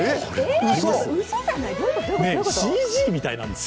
ＣＧみたいなんですよ。